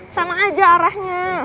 sama aja arahnya